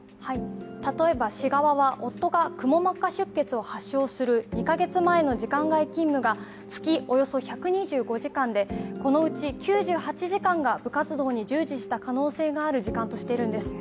例えば市側は、夫がくも膜下出血を発症する２か月前の時間外勤務が月およそ１２５時間でこのうち９８時間が部活動に従事した可能性がある時間としているんです。